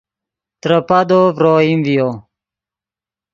ترے پادو ڤرو اوئیم ڤیو